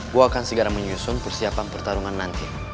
gue akan segera menyusun persiapan pertarungan nanti